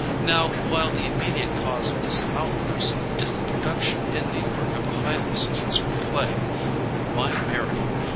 Now, while the immediate cause of this outburst is the production in New York of a highly successful play, Why Marry?